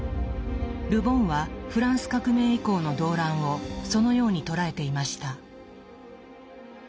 ル・ボンはフランス革命以降の動乱をそのように捉えていました。